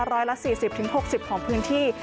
ร้อยละ๔๐๖๐ของพื้นที่